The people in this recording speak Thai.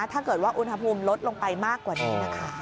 ถ้าเกิดว่าอุณหภูมิลดลงไปมากกว่านี้นะคะ